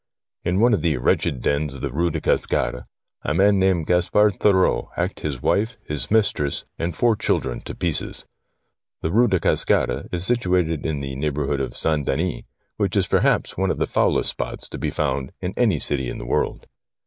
In one of the wretched dens of the Hue des Cascades a man named Gaspard Thurreau hacked his wife, his mistress, and four children to pieces. The Eue des Cascades is situated in the neighbourhood of St. Denis, which is perhaps one of the foulest spots to be found in any city in the world.